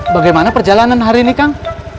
bagaimana perjalanan hari ini kang